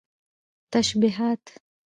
تشبيهات